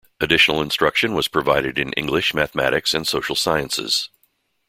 Additional instruction was provided in English, mathematics, and social sciences.